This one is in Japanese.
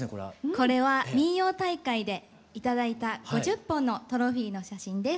これは民謡大会で頂いた５０本のトロフィーの写真です。